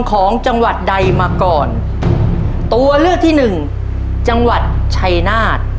ของเราเท่าไหร่นะ